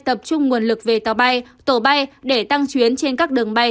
tập trung nguồn lực về tàu bay tổ bay để tăng chuyến trên các đường bay